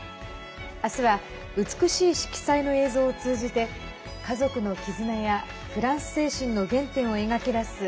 明日は美しい色彩の映像を通じて家族の絆やフランス精神の原点を描き出す２本の作品をご紹介します。